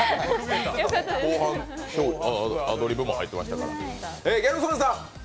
後半、アドリブも入ってましたから。